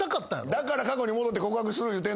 だから過去に戻って告白する言うてんねやないか。